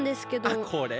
あっこれ？